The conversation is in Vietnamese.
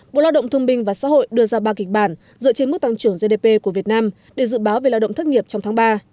bộ lao động thương binh và xã hội đưa ra ba kịch bản dựa trên mức tăng trưởng gdp của việt nam để dự báo về lao động thất nghiệp trong tháng ba